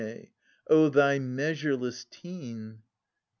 O thy measureless teen